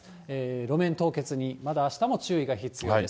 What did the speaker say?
路面凍結に、まだあしたも注意が必要です。